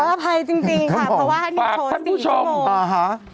ขออภัยจริงค่ะเพราะว่านิวโชว์๔ชั่วโมง